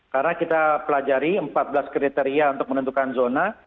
karena kita pelajari empat belas kriteria untuk menentukan zona